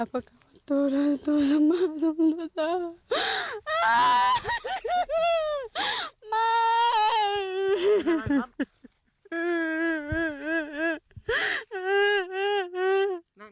นั่งนั่งมาแล้วกลับบ้าน